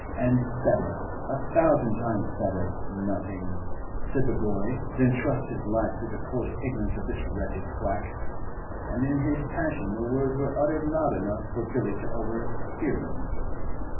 "And better, a thousand times better, nothing," said the boy, "than trust his life to the coarse ignorance of this wretched quack." And in his passion the words were uttered loud enough for Billy to overhear them.